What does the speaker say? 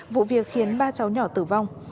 vụ việc khiến ba cháu nhỏ tử vong